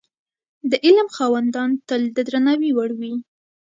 د علم خاوندان تل د درناوي وړ وي.